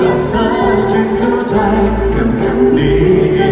รักเธอจะเข้าใจคำคำนี้